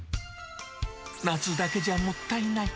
夏だけじゃもったいない。